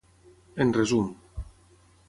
En resum.